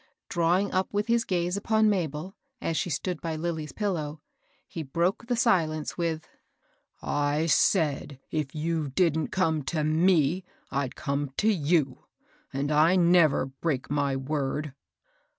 Drawing up with his gaze upon Mabel, as she stood by Lilly's pillow, he broke the silence with, —I said, if you didn't come to we, I'd come to you; and I never break my word."